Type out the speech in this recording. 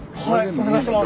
お願いします。